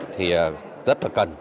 thì rất là cần